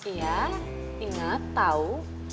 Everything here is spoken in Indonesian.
iya inget tau